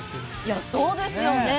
いやそうですよね。